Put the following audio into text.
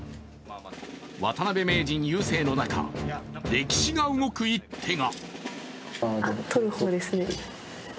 渡辺名人優勢の中、歴史が動く一手が。